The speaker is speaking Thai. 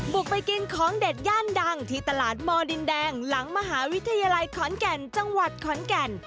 บุกไปกินของเด็ดย่านดังที่ตลาดมดินแดงหลังมหาวิทยาลัยขอนแก่นจังหวัดขอนแก่น